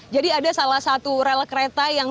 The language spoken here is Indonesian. ada salah satu rel kereta yang